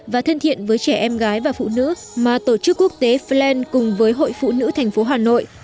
và thân thiện với trẻ em gái và phụ nữ mà tổ chức quốc tế flen cùng với hội phụ nữ thành phố hà nội